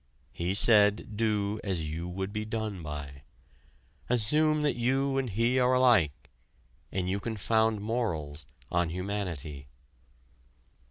He said do as you would be done by. Assume that you and he are alike, and you can found morals on humanity.